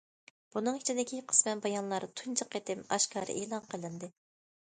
بۇنىڭ ئىچىدىكى قىسمەن بايانلار تۇنجى قېتىم ئاشكارا ئېلان قىلىندى.